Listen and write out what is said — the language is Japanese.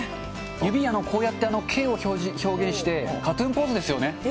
指、こうやってＫを表示して、ＫＡＴーＴＵＮポーズですよね。